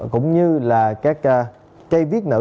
cũng như là các cây viết nữ